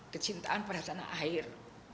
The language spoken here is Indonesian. kecintaan pada tanah air